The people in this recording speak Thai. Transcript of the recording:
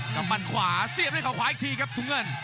กับมันขวาเสียบด้วยเขาขวาอีกทีครับถุงเงิน